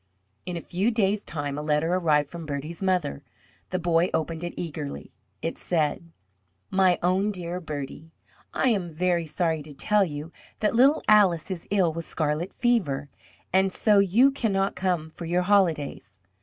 In a few days' time a letter arrived from Bertie's mother. The boy opened it eagerly. It said: My own dear Bertie: I am very sorry to tell you that little Alice is ill with scarlet fever. And so you cannot come for your holidays.